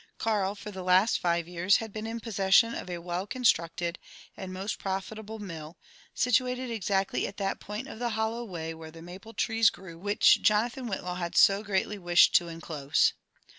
Karl, for the laat five years, had been in possession of a well constructed and most pro*^ fitable mill, situated exactly at that point of the hollow way where the maple trees grew which Jonathan Whitlaw bad so greatly wished to enclose.